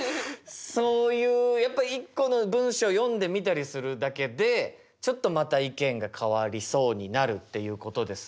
そういうやっぱ一個の文章読んでみたりするだけでちょっとまた意見が変わりそうになるっていうことですが。